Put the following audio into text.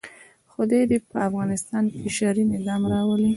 خدای دې په افغانستان کې شرعي نظام راولي.